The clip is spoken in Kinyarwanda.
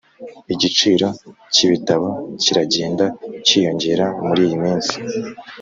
igiciro cyibitabo kiragenda cyiyongera muriyi minsi